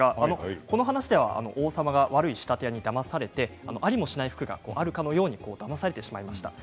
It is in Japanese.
この話では王様が悪い仕立て屋にだまされてありもしない服があるかのようにだまされてしまいました。